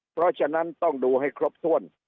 เพราะฉะนั้นต้องดูให้ครบถ้วน